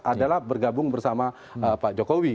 adalah bergabung bersama pak jokowi